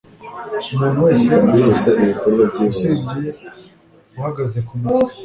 umuntu wese arasa, usibye uhagaze kumutwe